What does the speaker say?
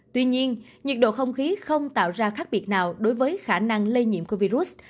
tuy nhiên nhiệt độ không khí không tạo ra khác biệt nào đối với khả năng lây nhiễm của virus